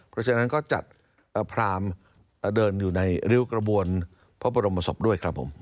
เพราะฉะนั้นก็จัดพรามเดินอยู่ในริ้วกระบวนพระบรมศพด้วยครับผม